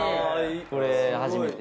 これ初めて。